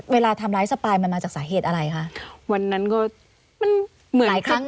เวลาทำร้ายสปายมันมาจากสาเหตุอะไรค่ะ